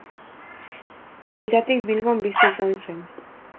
Txikitatik Bilbon bizi izan zen.